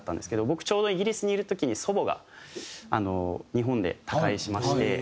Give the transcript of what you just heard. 僕ちょうどイギリスにいる時に祖母が日本で他界しまして。